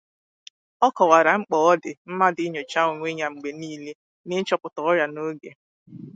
Ọ kọwara mkpa ọ dị mmadụ inyòchà onwe ya mgbe niile na ịchọpụta ọrịa n'oge